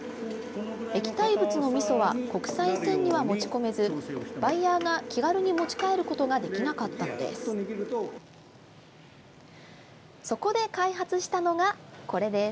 液体物のみそは国際線には持ち込めずバイヤーが気軽に持ち帰ることができなかったのです。